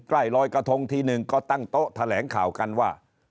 เขามาห้ั่งโต๊ะแถลงข่าวกันว่า